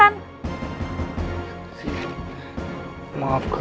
kenapa mas aryo malah mabuk mabukkan